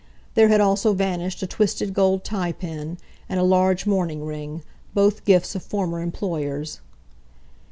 There had also vanished a twisted gold tie pin, and a large mourning ring, both gifts of former employers.